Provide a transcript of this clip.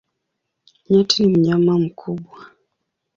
Nyati ni mnyama mkubwa.